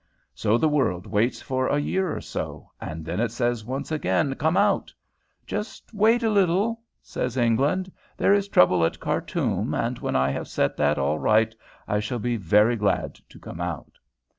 So the world waits for a year or so, and then it says once again, 'Come out.' 'Just wait a little,' says England; 'there is trouble at Khartoum, and when I have set that all right I shall be very glad to come out.'